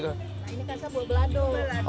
nah ini kasar buat belado